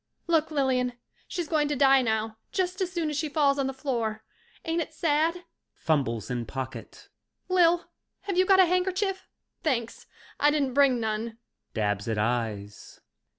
Look, Lilian, she's going to die now just as soon as she falls on the floor. Ain't it sad? (Fumbles in pocket.) Lil, have you got a handkerchief ? Thanks, I didn't bring none. (Dabs at eyes.)